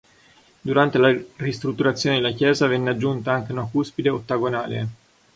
Durante la ristrutturazione della chiesa venne aggiunta anche una cuspide ottagonale.